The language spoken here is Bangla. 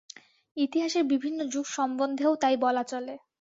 ইতিহাসের বিভিন্ন যুগ সম্বন্ধেও তাই বলা চলে।